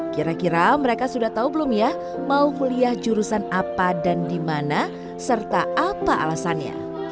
kira kira mereka sudah tahu belum ya mau kuliah jurusan apa dan di mana serta apa alasannya